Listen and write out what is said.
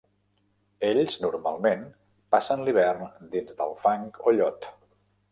Ells normalment passen l'hivern dins del fang o llot.